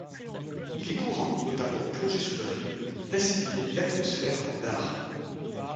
Il est courant, notamment en plongée sous-marine, d'assimiler l’atmosphère au bar.